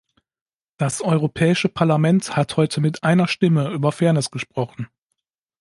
Das Europäische Parlament hat heute mit einer Stimme über Fairness gesprochen.